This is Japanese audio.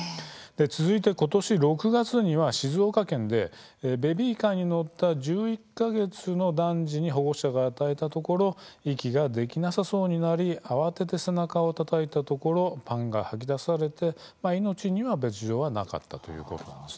続いてことし６月には静岡県でベビーカーに乗った１１か月の男児に保護者が与えたところ息ができなさそうになり慌てて背中をたたいたところパンが吐き出されて命に別状はなかったということなんです。